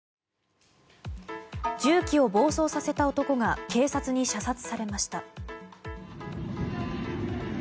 重機を暴走させた男が警察に射殺されました。